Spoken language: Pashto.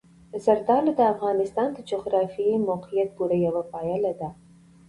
زردالو د افغانستان د جغرافیایي موقیعت پوره یوه پایله ده.